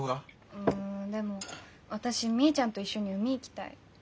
うんでも私みーちゃんと一緒に海行きたい。